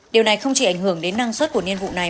điều này không chỉ ảnh hưởng đến năng suất của nhiên vụ này